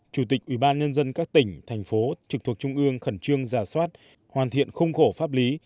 chủ tịch ủy ban nhân dân các tỉnh thành phố trực thuộc trung ương khẩn trương giả soát hoàn thiện khung khổ pháp lý